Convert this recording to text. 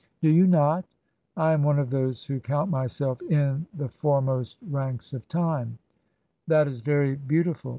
Do you not ? I am one of those who count myself ' in the foremost ranks of time' That is very beautiful.